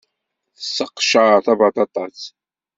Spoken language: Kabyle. Tesseqcer tabaṭaṭat.